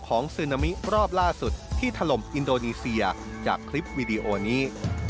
ซึนามิรอบล่าสุดที่ถล่มอินโดนีเซียจากคลิปวีดีโอนี้